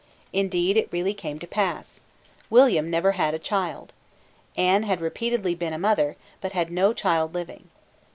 Indeed it really came to pass. William had never had a child. Anne had repeatedly been a mother, but had no child living.